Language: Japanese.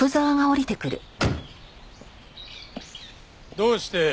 どうして。